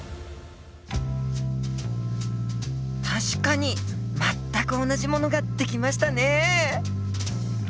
確かに全く同じものが出来ましたねえ！